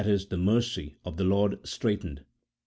e. the mercy] of the Lord straitened